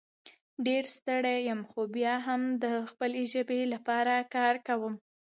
ډېر ستړی یم خو بیا هم د خپلې ژبې لپاره کار کوم